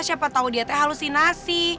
siapa tahu dia halusinasi